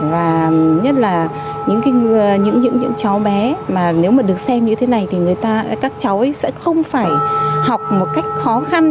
và nhất là những cháu bé mà nếu mà được xem như thế này thì các cháu ấy sẽ không phải học một cách khó khăn